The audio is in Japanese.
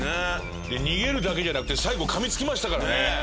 逃げるだけじゃなくて最後噛みつきましたからね。